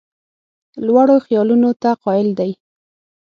لوړو خیالونو ته قایل دی.